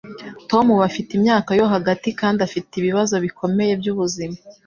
Tom ubu afite imyaka yo hagati kandi afite ibibazo bikomeye byubuzima